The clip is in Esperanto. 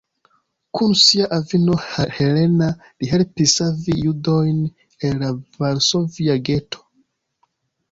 Kun sia avino Helena li helpis savi judojn el la Varsovia geto.